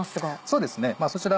そうですねそちら